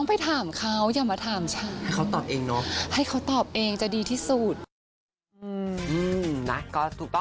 ไม่นะไม่เศร้าไม่เฮิร์ทค่ะ